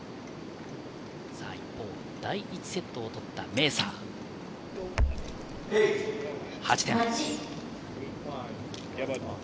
第１セットを取ったメーサー、８点。